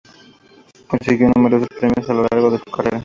Consiguió numerosos premios a lo largo de su carrera.